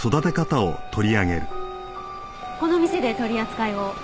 この店で取り扱いを？